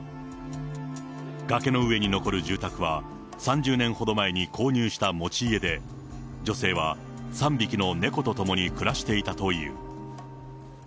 崖の上に残る住宅は、３０年ほど前に購入した持ち家で、女性は３匹の猫と共に暮らしていたという。